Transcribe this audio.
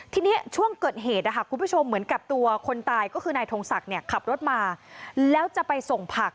ทีนี้ช่วงเกิดเหตุคุณผู้ชมเหมือนกับตัวคนตายก็คือนายทงศักดิ์ขับรถมาแล้วจะไปส่งผัก